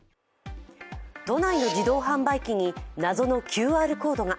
都内の自動販売機に謎のＱＲコードが。